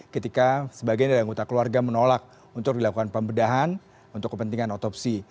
ketika sebagian dari anggota keluarga menolak untuk dilakukan pembedahan untuk kepentingan otopsi